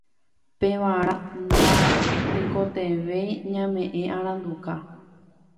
Pevarã natekotevẽi ñamoñe'ẽ aranduka.